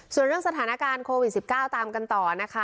ส่วนเรื่องสถานการณ์โควิด๑๙ตามกันต่อนะคะ